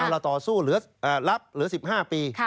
เราต่อสู้เหลือรับเหลือ๑๕ปี